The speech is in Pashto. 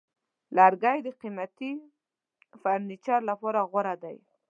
لرګی د قیمتي فرنیچر لپاره غوره دی.